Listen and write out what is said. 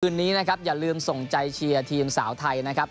นี้นะครับอย่าลืมส่งใจเชียร์ทีมสาวไทยนะครับ